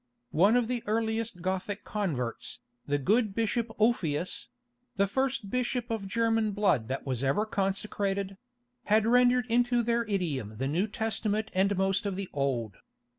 One of the earliest Gothic converts, the good Bishop Ulfilas—the first bishop of German blood that was ever consecrated—had rendered into their idiom the New Testament and most of the Old.